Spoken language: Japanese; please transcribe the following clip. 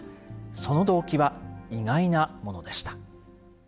その動機は意外なものでした。